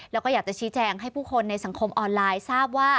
แล้วก็อยากจะชี้แจงให้ผู้คนในสังคมออนไลน์ทราบว่า